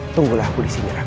tunggulah aku disini raka